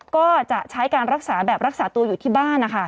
ก็จะใช้การรักษาแบบรักษาตัวอยู่ที่บ้านนะคะ